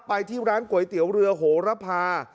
ไปที่ร้านก๋วยเตี๋ยวเรือโหระพา